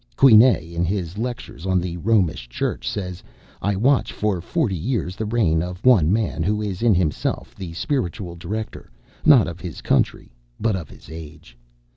Quinet, in his lectures on the Romish Church, says: "I watch, for forty years, the reign of one man who is in himself the spiritual director, not of his country, but of his age.